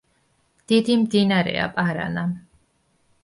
დიდი მდინარეა პარანა.